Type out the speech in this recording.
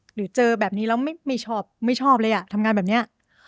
หรือเจอแบบนี้แล้วไม่ชอบไม่ชอบเลยอ่ะทำงานแบบนี้